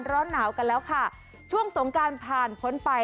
ร้อนหนาวกันแล้วค่ะช่วงสงการผ่านพ้นไป